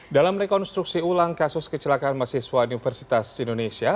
dalam rekonstruksi ulang kasus kecelakaan mahasiswa universitas indonesia